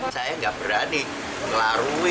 saya nggak berani melarui tahu apa itu tak berani